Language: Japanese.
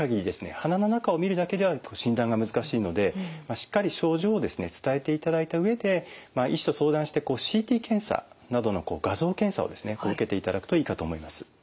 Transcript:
鼻の中を見るだけでは診断が難しいのでしっかり症状をですね伝えていただいた上で医師と相談してＣＴ検査などの画像検査をですね受けていただくといいかと思います。